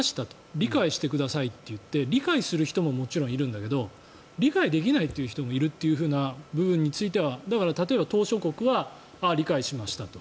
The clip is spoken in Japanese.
理解してくださいと言って理解する人もいるんだけど理解できないという人もいるという部分についてはだから、例えば島しょ国はああ、理解しましたと。